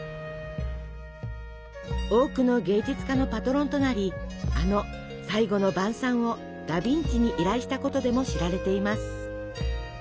多くの芸術家のパトロンとなりあの「最後の晩餐」をダ・ヴィンチに依頼したことでも知られています。